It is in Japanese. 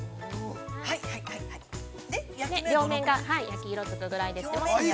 ◆両面が焼き色つくぐらいです。